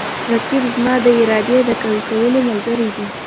رقیب زما د ارادې د قوي کولو ملګری دی